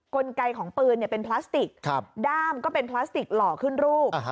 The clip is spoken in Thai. กลไกของปืนเป็นพลาสติกด้ามก็เป็นพลาสติกหล่อขึ้นรูป